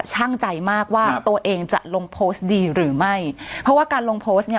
ช่างใจมากว่าตัวเองจะลงโพสต์ดีหรือไม่เพราะว่าการลงโพสต์เนี่ย